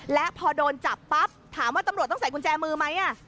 และพอโดนจับปั๊บถามว่าตำรวจต้องใส่กุญแจมือไหม